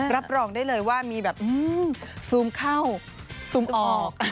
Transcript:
รับรองได้เลยว่ามีแบบซูมเข้าซูมออก